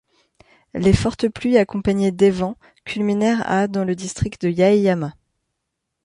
Les fortes pluies, accompagnées des vents, culminèrent à dans le district de Yaeyama.